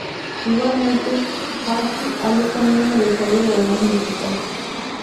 Igualmente, Fairchild abrió camino en el desarrollo de la imagen digital.